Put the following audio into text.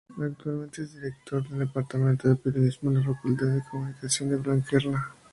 Actualmente es director del departamento de Periodismo de la Facultad de Comunicación Blanquerna.